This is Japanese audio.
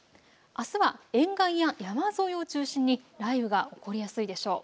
あすは沿岸や山沿いを中心に雷雨が起こりやすいでしょう。